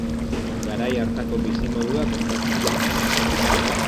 Garai hartako bizimodua kontatzen du.